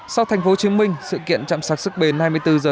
sau thành phố chiếm minh sự kiện chăm sác sức bền hai mươi bốn h mỗi ngày